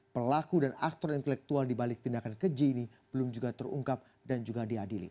pelaku dan aktor intelektual dibalik tindakan keji ini belum juga terungkap dan juga diadili